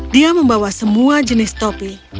dia membawa semua jenis topi